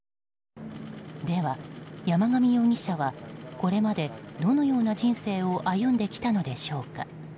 では、山上容疑者はこれまでどのような人生を歩んできたのでしょうか。